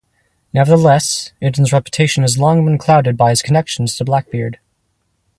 Nevertheless, Eden's reputation has long been clouded by his connections to Blackbeard.